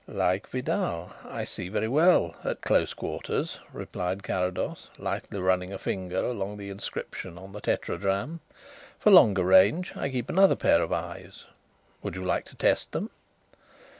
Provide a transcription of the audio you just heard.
"Like Vidal, I see very well at close quarters," replied Carrados, lightly running a forefinger along the inscription on the tetradrachm. "For longer range I keep another pair of eyes. Would you like to test them?"